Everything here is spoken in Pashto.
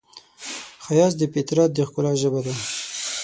ښایست د فطرت د ښکلا ژبه ده